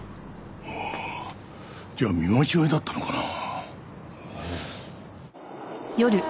ああじゃあ見間違えだったのかなあ？